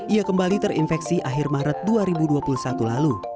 ia kembali terinfeksi akhir maret dua ribu dua puluh satu lalu